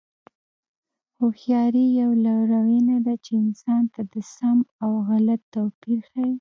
هوښیاري یوه لورینه ده چې انسان ته د سم او غلط توپیر ښيي.